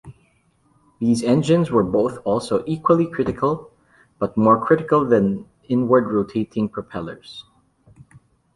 These engines were both also equally critical, but more critical than inward rotating propellers.